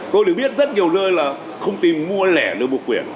tôi được biết rất nhiều nơi là không tìm mua lẻ được một quyển